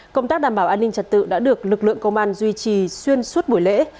công tác đảm bảo an ninh trật tự đã được lực lượng công an duy trì xuyên suốt buổi lễ